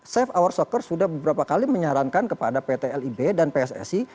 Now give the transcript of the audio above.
safe hour soccer sudah beberapa kali menyarankan kepada pt lib dan pssi